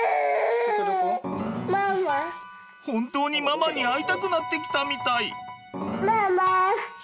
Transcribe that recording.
本当にママに会いたくなってきたみたい。